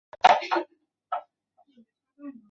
它们是量子场论的基本物质。